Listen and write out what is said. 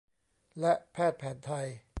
และแพทย์แผนไทย